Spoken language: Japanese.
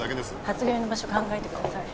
発言の場所考えてください。